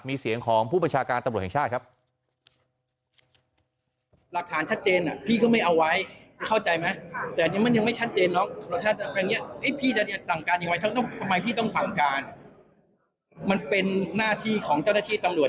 มีเสียงของผู้ประชาการตำรวจแห่งชาติครับ